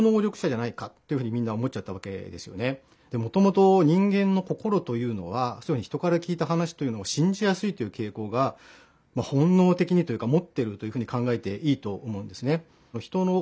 もともと人間の心というのは人から聞いた話というのを信じやすいというけいこうが本のうてきに持ってるというふうに考えていいと思うんですね。